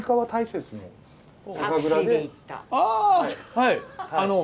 はい。